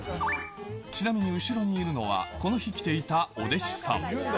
ちなみに後ろにいるのは、この日来ていたお弟子さん。